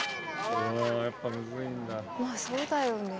「まあそうだよね」